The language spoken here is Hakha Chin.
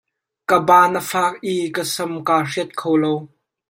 Ka ban a fak i ka sam ka hriat kho lo.